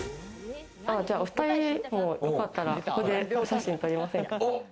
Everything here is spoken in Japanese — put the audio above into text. お２人もよかったら、ここでお写真、撮りませんか？